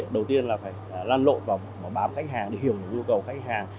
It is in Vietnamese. đầu tiên là phải lan lộ và bám khách hàng để hiểu được nhu cầu khách hàng